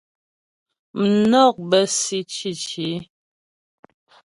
Mnɔk bə́ si cǐci.